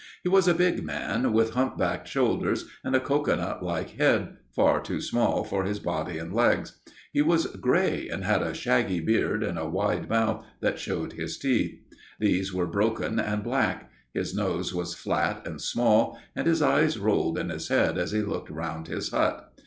He was a big man with humpbacked shoulders and a cocoanut like head, far too small for his body and legs. He was grey, and had a shaggy beard and a wide mouth that showed his teeth. These were broken and black. His nose was flat and small, and his eyes rolled in his head as he looked round his hut.